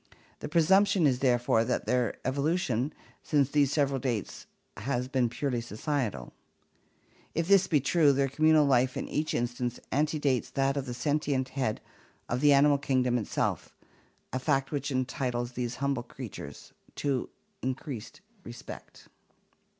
The presump tion is therefore that their evolution since these several dates has been purely societal. If this be true, their communal life in each instance antedates that of the sentient head of the animal kingdom itself, a fact which entitles these humble creatures to increased respect.